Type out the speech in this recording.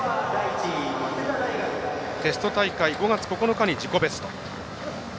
テスト大会、５月９日に自己ベスト。